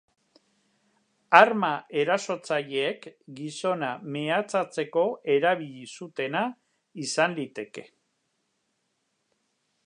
Arma erasotzaileek gizona mehatxatzeko erabili zutena izan liteke.